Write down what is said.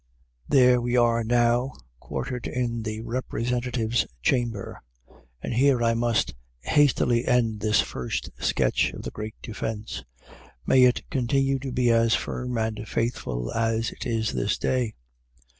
There we are now, quartered in the Representatives' Chamber. And here I must hastily end this first sketch of the Great Defense. May it continue to be as firm and faithful as it is this day!